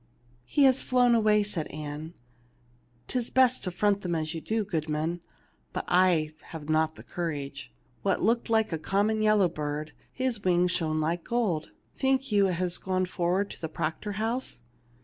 "He has flown away,'' said Ann. "'Tis best to front them as you do, goodman, but I have not the courage. That looked like a common yellow bird ; his wings shone like gold. Think you it has gone forward to the Proctor house